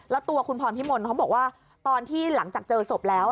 แล้วตัวคุณพรพิมลเขาบอกว่าตอนที่หลังจากเจอศพแล้ว